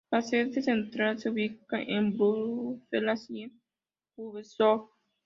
La sede central se ubica en Bruselas y en Düsseldorf.